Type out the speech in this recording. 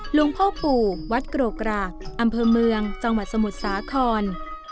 หลวงพ่อปู่วัดโกรกรากอำเภอเมืองจังหวัดสมุทรสาคร